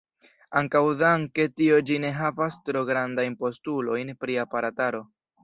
Ankaŭ danke tio ĝi ne havas tro grandajn postulojn pri aparataro.